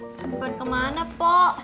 sempan kemana pok